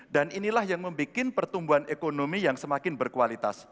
dan inilah yang membuat pertumbuhan ekonomi yang semakin berkualitas